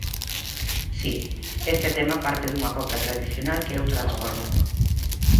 Si, este tema parte dunha copla tradicional que eu transformo.